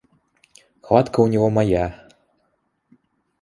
Хватка у него моя.